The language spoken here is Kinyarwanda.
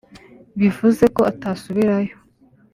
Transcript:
bivuze ko atasubirayo